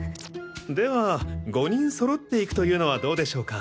では５人揃って行くというのはどうでしょうか？